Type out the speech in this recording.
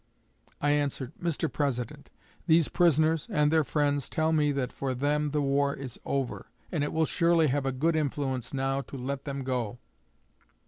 I answered, 'Mr. President, these prisoners and their friends tell me that for them the war is over; and it will surely have a good influence now to let them go.'